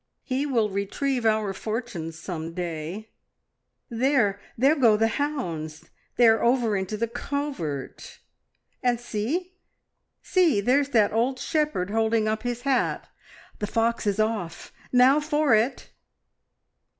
He will retrieve our fortunes some fine day. There! there go the hounds! They are over into the covert, and see! see! there's that old shepherd holding up his hat. The fox is off! Now for it!"